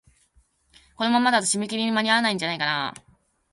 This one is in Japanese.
このままだと、締め切りに間に合わないんじゃないかなあ。